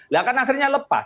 ya kan akhirnya lepas